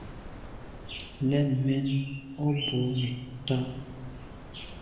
Lèn mèn o bwô tà’.